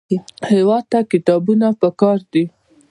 هېواد ته کتابونه پکار دي